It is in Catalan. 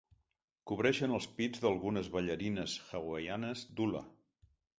Cobreixen els pits d'algunes ballarines hawaianes d'hula.